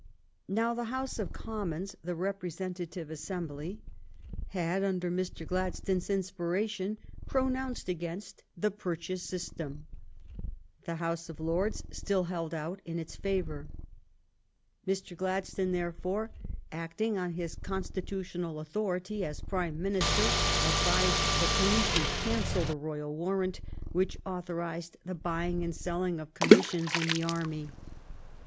Now, the House of Commons, the Representative NATIONAL EDUCATION; OTHER REFORMS 283 Assembly, had, under Mr. Gladstone s inspiration, pronounced against the purchase system. The House of Lords still held out in its favor. Mr. Gladstone, therefore, acting on his constitutional authority as Prime Minister, advised the Queen to cancel the royal warrant which authorized the buying and selling of commissions in the army.